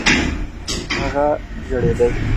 هغه ژړېدی .